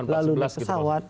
lalu naik pesawat